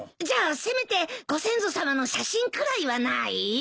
じゃあせめてご先祖さまの写真くらいはない？